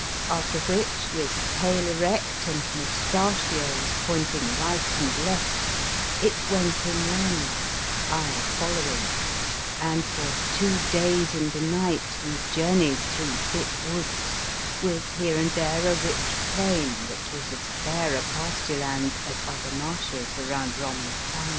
After which, with tail erect and moustachios point ing right and left, it went inland, I fol lowing, and for two days and a night we journeyed through thick woods, with here and there a rich plain that was as fair a pasture land as are the marshes around Romney Town.